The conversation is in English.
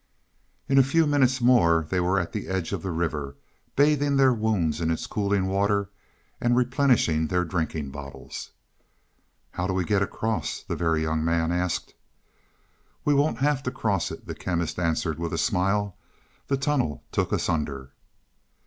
In a few minutes more they were at the edge of the river, bathing their wounds in its cooling water, and replenishing their drinking bottles. "How do we get across?" the Very Young Man asked. "We won't have to cross it," the Chemist answered with a smile. "The tunnel took us under."